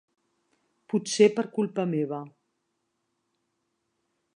Potser per culpa meva.